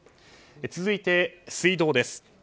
続いて、水道です。